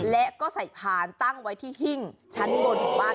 และก็ใส่พานตั้งไว้ที่หิ้งชั้นบนของบ้าน